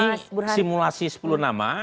ini simulasi sepuluh nama